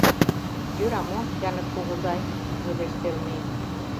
— Йӧра мо, Янык кугызай? — йодеш Селмей.